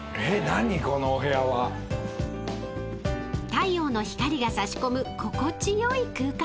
［太陽の光が差し込む心地よい空間］